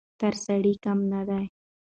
تر سړي کمه نه ده.